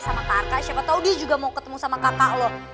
sama kak arka siapa tahu dia juga mau ketemu sama kakak loh